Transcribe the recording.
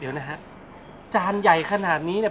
เดี๋ยวนะฮะจานใหญ่ขนาดนี้เนี่ย